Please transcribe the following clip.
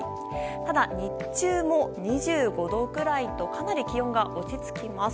ただ、日中も２５度くらいと、かなり気温が落ち着きます。